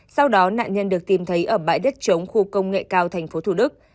sau đó nạn nhân được tìm thấy ở bãi đất chống khu công nghệ cao tp thủ đức